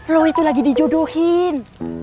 lu itu lagi dijodohin